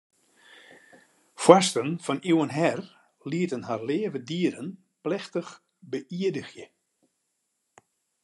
Foarsten fan iuwen her lieten har leave dieren plechtich beïerdigje.